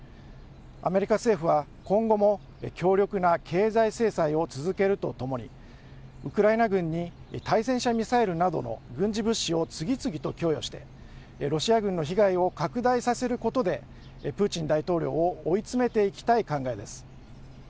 アメリカ政府は今後も強力な経済制裁を続けるとともにウクライナ軍に対戦車ミサイルなどの軍事物資を次々と供与してロシア軍の被害を拡大させることでプーチン大統領を追い詰めていきたい考えです。